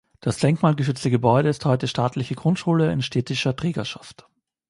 Das denkmalgeschützte Gebäude ist heute staatliche Grundschule in städtischer Trägerschaft.